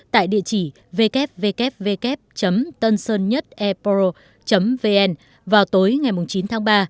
tại địa chỉ www tânsơn một eporo vn vào tối ngày chín tháng ba